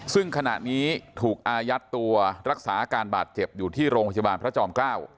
ซึ่งขณะนี้ถูกอายัดตัวรักษาอาการบาดเจ็บอยู่ที่โรงพยาบาลพระจอมเกล้า